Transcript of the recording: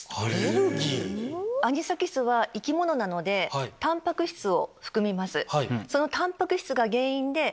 アニサキスは生き物なのでタンパク質を含みます。